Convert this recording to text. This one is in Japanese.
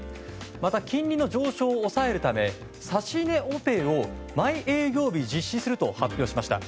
また、金利の上昇を抑えるため指値オペを毎営業日実施すると発表しました。